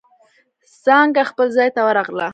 څانگه خپل ځای ته ورغله.